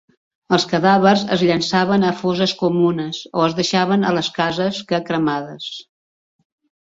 Els cadàvers es llançaven a fosses comunes o es deixaven a les cases que cremades.